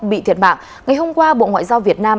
bị thiệt mạng ngày hôm qua bộ ngoại giao việt nam